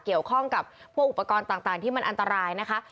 เกี่ยวข้องกับพวกอุปกรณ์ต่างที่มันอันตรายนะคะ